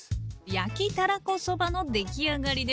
焼きたらこそばのできあがりです。